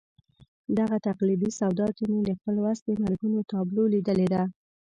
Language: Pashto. دغه تقلیدي سودا کې مې د خپل ولس د مرګونو تابلو لیدلې ده.